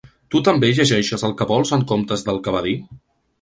Tu també llegeixes el que vols en comptes del que va dir?